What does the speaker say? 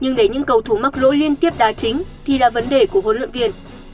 nhưng để những cầu thủ mắc lỗ liên tiếp đá chính thì là vấn đề của huấn luyện viên